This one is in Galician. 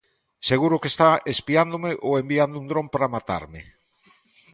Seguro que está espiándome ou enviando un dron para matarme.